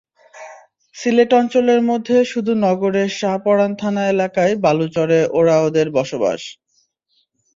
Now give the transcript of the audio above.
সিলেট অঞ্চলের মধ্যে শুধু নগরের শাহ পরান থানা এলাকার বালুচরে ওঁরাওদের বসবাস।